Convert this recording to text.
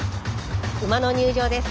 馬の入場です。